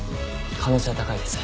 可能性は高いです。